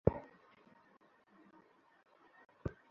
অপূর্ব শৌর্য-বীর্য দেখিয়ে তিনি যুদ্ধ করলেন।